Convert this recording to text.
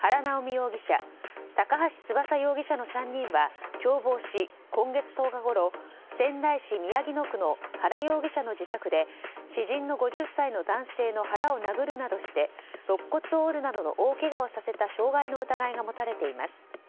容疑者高橋翼容疑者の３人は共謀し、今月１０日ごろ仙台市宮城野区の原容疑者の自宅で知人の５０歳の男性の腹を殴るなどして肋骨を折るなどの大けがをさせた傷害の疑いが持たれています。